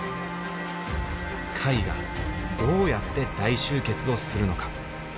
貝がどうやって大集結をするのか？